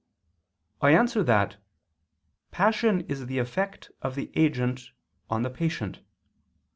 I answer that, Passion is the effect of the agent on the patient.